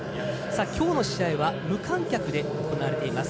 きょうの試合は無観客で行われています。